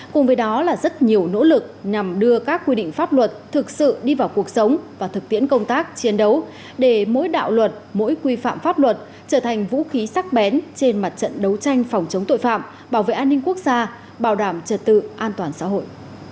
cùng với đó là rất nhiều nỗ lực nhằm đưa các quy định pháp luật thực sự đi vào cuộc sống và thực tiễn công tác chiến đấu để mỗi đạo luật mỗi quy phạm pháp luật trở thành vũ khí sắc bén trên mặt trận đấu tranh phòng chống tội phạm bảo vệ an ninh quốc gia bảo đảm trật tự an toàn xã hội